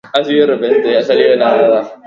Escriure literatura per als jutges.